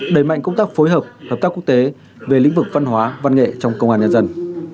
đẩy mạnh công tác phối hợp hợp tác quốc tế về lĩnh vực văn hóa văn nghệ trong công an nhân dân